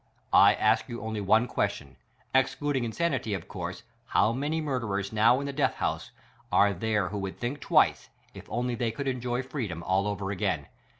I ask you only one question : Excluding insanity, of course, how many murderers now in the death house are there who would think twice — if only they couild enjoy freedom all over again?